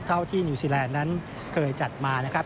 เท่าที่นิวซีแลนด์นั้นเคยจัดมานะครับ